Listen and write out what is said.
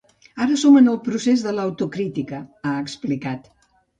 Ara som en el procés de l’autocrítica, ha explicat.